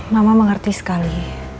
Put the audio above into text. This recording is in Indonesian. mama mengerti sekali